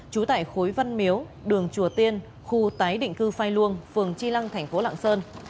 trú tại khối văn miếu đường chùa tiên khu tái định cư phai luông phường chi lăng thành phố lạng sơn